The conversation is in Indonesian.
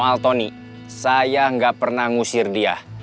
soal tony saya enggak pernah ngusir dia